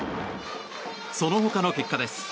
そのほかの結果です。